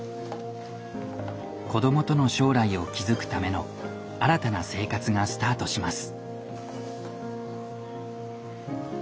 子どもとの将来を築くための新たな生活がスタートします。